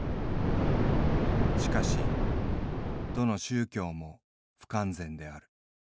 しかしどの宗教も不完全である。